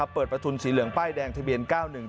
ประทุนสีเหลืองป้ายแดงทะเบียน๙๑๗